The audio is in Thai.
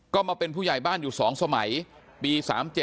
ก็มาเป็นผู้ใหญ่บ้านอยู่๒สมัยปี๓๗